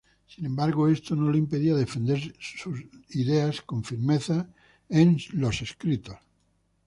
Sin embargo, esto no le impedía defender ideas con firmeza en sus escritos.